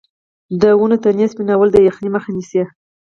د ونو تنې سپینول د یخنۍ مخه نیسي؟